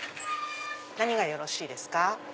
何がよろしいですか？